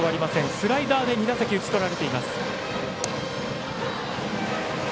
スライダーで２打席打ちとられています。